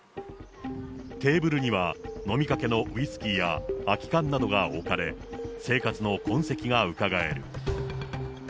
テーブルには飲みかけのウイスキーや空き缶などが置かれ、生活の痕跡がうかがえる。